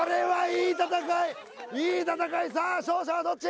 いい戦いさあ勝者はどっち？